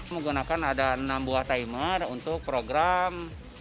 menggunakan ada enam buah timer untuk program